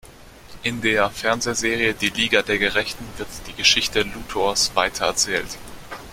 In der Fernsehserie "Die Liga der Gerechten" wird die Geschichte Luthors weiter erzählt.